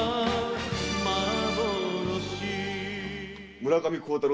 村上幸太郎